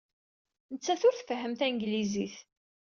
Nettat ur tfehhem tanglizit.